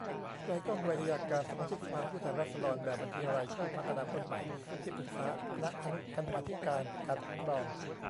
ไกลก้อง ไวทยการ สมาชิกสภาผู้แทนราษฎร แบบบัญชีรายชื่อ พรรคอนาคตใหม่ ที่ปรึกษาคณะอนุกรรมาธิการปกครอง